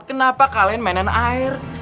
kenapa kalian mainan air